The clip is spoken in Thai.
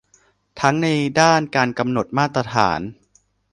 ทั้งในด้านการกำหนดมาตรฐาน